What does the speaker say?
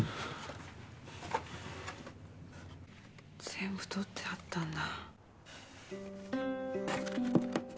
全部取ってあったんだ。